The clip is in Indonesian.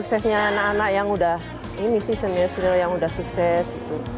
suksesnya anak anak yang udah ini sih senior senior yang udah sukses gitu